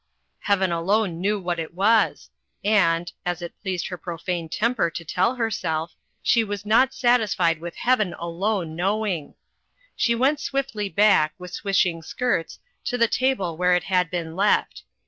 Heaven alone knew what it was, and (as it pleased her profane temper to tell herself) she was not satis fied with Heaven alone knowing. She went swiftly back, with swishing skirts, to the table where it had been left.